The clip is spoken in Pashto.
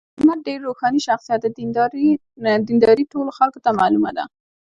احمد ډېر روښاني شخصیت دی. دینداري ټولو خلکو ته معلومه ده.